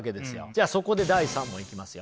じゃあそこで第３問いきますよ。